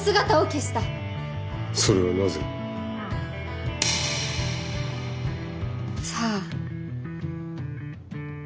それはなぜ？さあ。